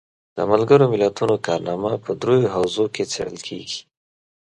د ملګرو ملتونو کارنامه په دریو حوزو کې څیړل کیږي.